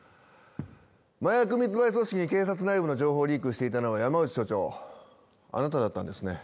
麻薬密売組織に警察内部の情報をリークしていたのは山内署長あなただったんですね。